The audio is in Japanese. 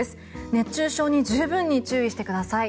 熱中症に十分に注意してください。